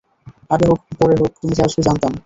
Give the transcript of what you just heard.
আগে হোক পরে হোক, তুমি যে আসবে, জানতাম।